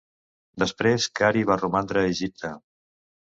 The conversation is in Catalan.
Després Karl va romandre a Egipte.